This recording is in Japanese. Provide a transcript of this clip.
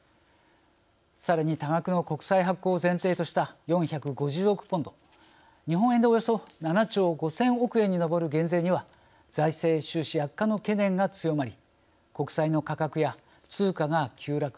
さらに多額の国債発行を前提とした４５０億ポンド日本円で、およそ７兆５０００億円に上る減税には財政収支悪化の懸念が強まり国債の価格や通貨が急落。